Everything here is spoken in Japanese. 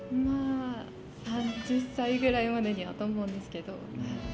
３０歳くらいまでにはって思うんですけど。